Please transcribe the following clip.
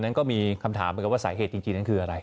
อันนั้นก็มีคำถามว่าสายเหตุจริงนั้นคืออะไร